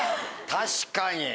確かに。